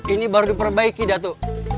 ini baru diperbaiki datu